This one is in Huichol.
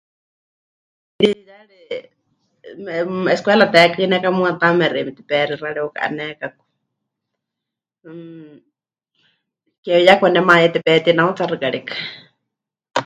'Iyá de, mmm, Escuela tehekɨneka muuwa taame xeíme tepexei 'axa reuka'anékaku, mmm, ke ya kwanemayá tepetinautsaxɨ karikɨ.